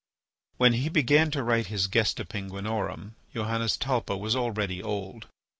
When he began to write his "Gesta Penguinorum," Johannes Talpa was already old.